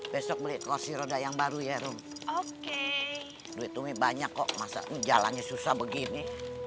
besok beli kursi roda yang baru ya rum oke duit tumi banyak kok masa jalannya susah begini